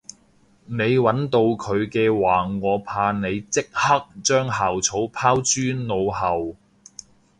你搵到佢嘅話我怕你即刻將校草拋諸腦後